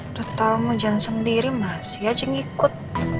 udah tau mau jan sendiri masih aja ngikut